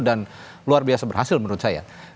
dan luar biasa berhasil menurut saya